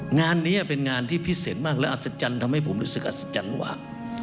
งานนี้เป็นงานที่พิเศษมากและอัศจรรย์ทำให้ผมรู้สึกอัศจรรย์หว่า